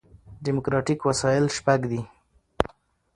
ډیموکراټیک وسایل شپږ دي.